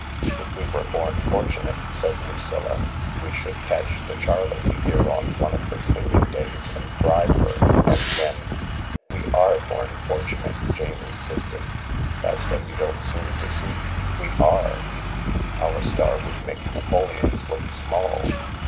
"If we were born fortunate," said Lucilla, "we should catch the charlady here on one of her cleaning days, and bribe her, and then ..." We are born fortunate," Jane insisted. "That's what you don't seem to see. We are. Our star would make Napoleon's look small.